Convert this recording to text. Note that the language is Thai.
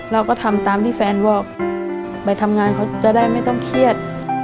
เราก็ทำตามที่แฟนบอกไปทำงานเขาจะได้ไม่ต้องเครียด